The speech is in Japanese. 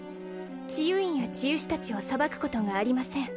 治癒院や治癒士達を裁くことがありません